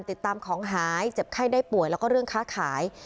ติดตามของหายเจ็บไข้ได้ป่วยแล้วก็เรื่องค้าขาย